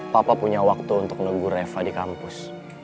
papa punya waktu untuk negu reva di kampus